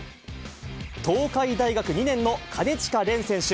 東海大学２年の金近廉選手。